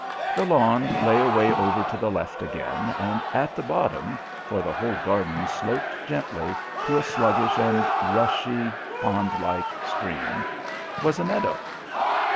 The lawn lay away over to the left again, and at the bottom (for the whole garden sloped gently to a sluggish and rushy pond like stream) was a meadow.